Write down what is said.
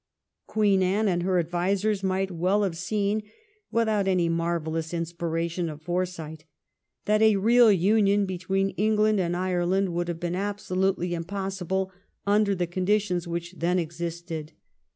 Queen Anne and her advisers might well have seen, without any marvellous inspiration of foresight, that a real union between England and Ireland would have been absolutely impossible under the conditions which then existed.